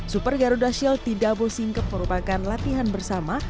super garuda shield di dabo singkep merupakan latihan bersama